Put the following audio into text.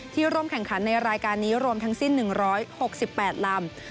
ร่วมแข่งขันในรายการนี้รวมทั้งสิ้น๑๖๘ลำ